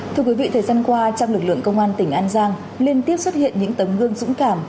thưa quý vị thời gian qua trong lực lượng công an tỉnh an giang liên tiếp xuất hiện những tấm gương dũng cảm